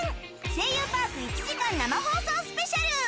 「声優パーク」１時間生放送スペシャル！